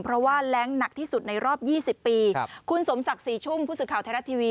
เพราะว่าแรงหนักที่สุดในรอบยี่สิบปีครับคุณสมศักดิ์ศรีชุ่มผู้สื่อข่าวไทยรัฐทีวี